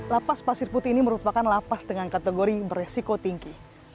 lapas pasir putih ini merupakan lapas dengan kategori beresiko tinggi